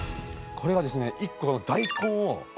これはですね